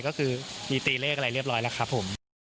ก็คือมีตีเลขอะไรเรียบร้อยแล้วครับผม